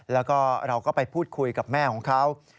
แล้วก็เราก็ไปพูดคุยกับแม่ของเขา